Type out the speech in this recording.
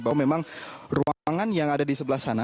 bahwa memang ruangan yang ada di sebelah sana